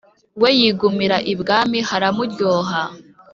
we yigumira ibwami; haramuryoha,